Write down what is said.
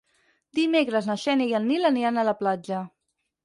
Dimecres na Xènia i en Nil aniran a la platja.